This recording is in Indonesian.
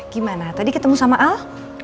gimana tadi ketemu sama al